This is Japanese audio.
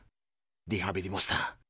リハビリもした。